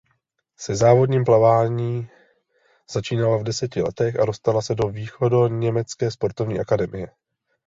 Se závodním plavání začínala v deseti letech a dostala se do východoněmecké sportovní akademie.